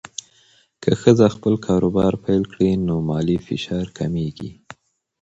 که ښځه خپل کاروبار پیل کړي، نو مالي فشار کمېږي.